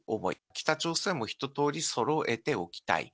北朝鮮も一とおり、そろえておきたい。